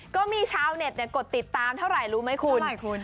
ก็มีชาวเน็ตกดติดตามเท่าไหร่รู้ไหมคุณ